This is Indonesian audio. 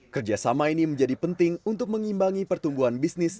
kerjasama ini menjadi penting untuk mengimbangi pertumbuhan bisnis